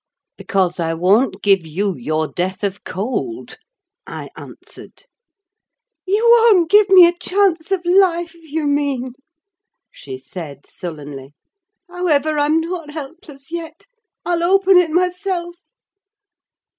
"Because I won't give you your death of cold," I answered. "You won't give me a chance of life, you mean," she said sullenly. "However, I'm not helpless yet; I'll open it myself."